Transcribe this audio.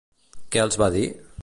Què els va dir?